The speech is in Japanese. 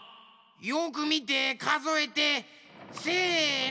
よくみてかぞえてせの！